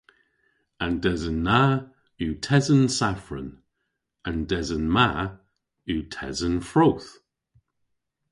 An desen na yw tesen safran. An desen ma yw tesen frooth.